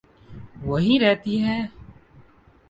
وہیں رہتی ہے۔